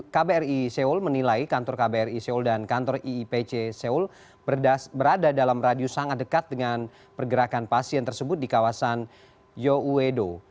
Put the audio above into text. kbri seoul menilai kantor kbri seoul dan kantor iipc seoul berada dalam radio sangat dekat dengan pergerakan pasien tersebut di kawasan you uedo